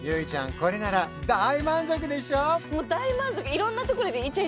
これなら大満足でしょ？